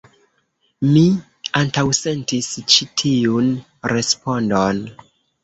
Mi antaŭsentis ĉi tiun respondon.